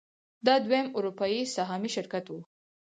دا دویم اروپايي سهامي شرکت و.